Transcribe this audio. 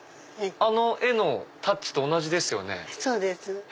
あの絵のタッチと同じですよね。